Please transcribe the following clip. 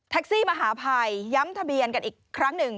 ซี่มหาภัยย้ำทะเบียนกันอีกครั้งหนึ่ง